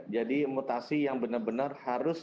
jadi mutasi yang benar benar harus